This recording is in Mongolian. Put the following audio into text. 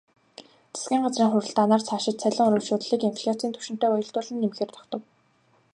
Засгийн газрын хуралдаанаар цаашид цалин урамшууллыг инфляцын түвшинтэй уялдуулан нэмэхээр тогтов.